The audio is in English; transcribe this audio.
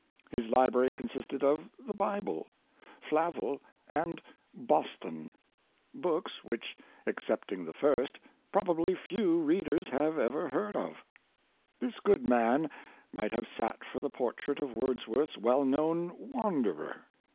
His library consisted of the Bible, "Flavel," and " Boston" — ^books which, excepting the first, probably few read ers have ever heard of This good man might have sat for the portrait of Wordsworth's well known 64 Honesty of Character, "Wanderer."